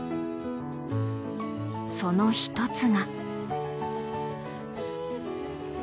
その一つが。